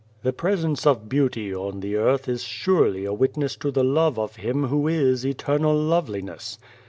" The presence of beauty on the earth is surely a witness to the love of Him who is Eternal Loveliness.